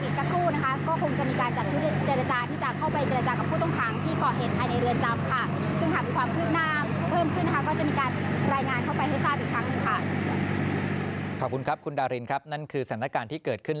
ในบรรเวณพื้นที่ด้วยนะคะเพื่อจะสามารถมองเหตุสถานการณ์ต่างให้ชัดเจมส์มากขึ้น